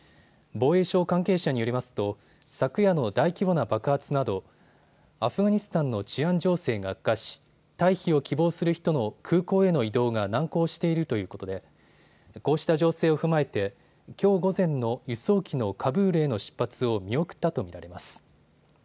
防衛省関係者によりますと昨夜の大規模な爆発などアフガニスタンの治安情勢が悪化し退避を希望する人の空港への移動が難航しているということでこうした情勢を踏まえてきょう午前の輸送機のカブールへの出発を見送ったと見られます。